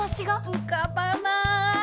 浮かばない。